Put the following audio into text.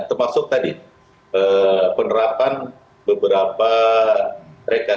termasuk tadi penerapan beberapa reka satuan